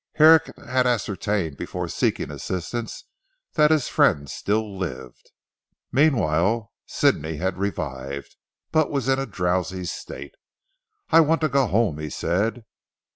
Herrick had ascertained before seeking assistance that his friend still lived. Meanwhile Sidney had revived, but was in a drowsy state. "I want to go home," he said.